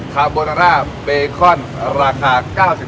คาร์โบนาล่าเบคอนราคา๙๕บาทเท่านั้นเอง